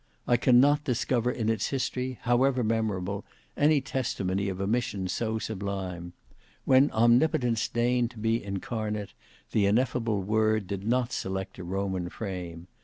I cannot discover in its history however memorable any testimony of a mission so sublime. When Omnipotence deigned to be incarnate, the Ineffable Word did not select a Roman frame.